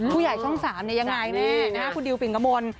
ผู้ใหญ่ช่อง๓ยังไงคุณดิวเปลี่ยงกระมน